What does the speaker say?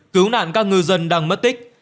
cứu nạn các ngư dân đang mất tích